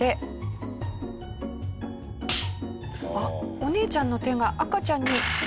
お姉ちゃんの手が赤ちゃんにビシッ！